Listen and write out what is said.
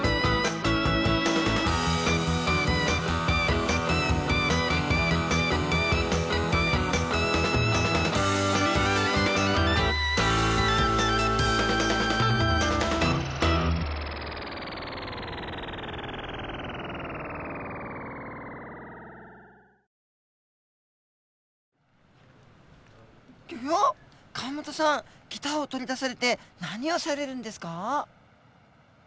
河本さんギターを取り出されて何をされるんですか？